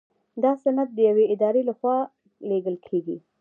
دا سند د یوې ادارې لخوا لیږل کیږي.